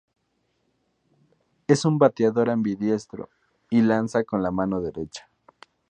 Es un bateador ambidiestro, y lanza con la mano derecha.